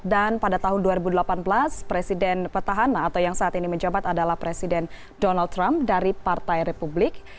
pada tahun dua ribu delapan belas presiden petahana atau yang saat ini menjabat adalah presiden donald trump dari partai republik